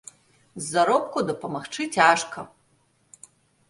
З заробку дапамагчы цяжка.